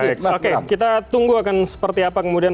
baik oke kita tunggu akan seperti apa kemudian